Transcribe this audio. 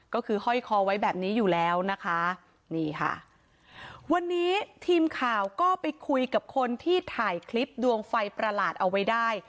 ก็คือห้อยคอไว้แบบนี้อยู่แล้วนะคะนี่ค่ะวันนี้ทีมข่าวก็ไปคุยกับคนที่ถ่ายคลิปดวงไฟประหลาดเอาไว้ได้